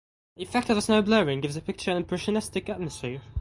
The effect of the snow blurring gives the picture an impressionistic atmosphere.